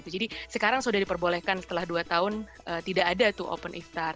jadi sekarang sudah diperbolehkan setelah dua tahun tidak ada open iftar